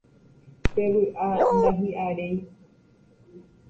Pe vy'a ndahi'aréi